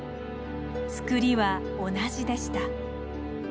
つくりは同じでした。